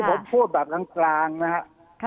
ผมพูดแบบกลางนะครับ